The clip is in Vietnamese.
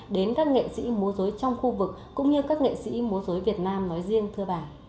đến các nghệ sĩ múa dối trong khu vực cũng như các nghệ sĩ múa dối việt nam nói riêng thưa bà